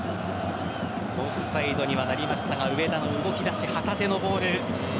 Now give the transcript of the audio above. オフサイドにはなりましたが上田の動き出し、旗手のボール。